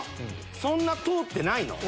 そんな通ってないの。